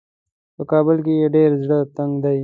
په کابل کې یې ډېر زړه تنګ دی.